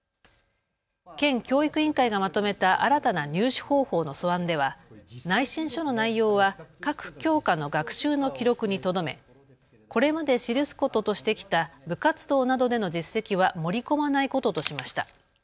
県教育委員会がまとめた新たな入試方法の素案では内申書の内容は各教科の学習の記録にとどめ、これまで記すこととしてきた部活動などでの実績は盛り込まないこととしました。